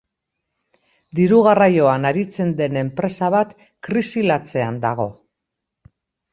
Diru garraioan aritzen den enpresa bat krisi latzean dago.